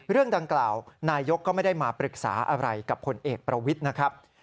เรื่องดังกล่าวนายกก็ไม่ได้มาปรึกษาอะไรกับผลเอกประวิทย์นะครับ